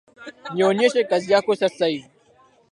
Nionyeshe kazi yako sasa hivi